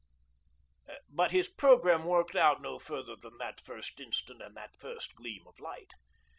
. But his programme worked out no further than that first instant and that first gleam of light.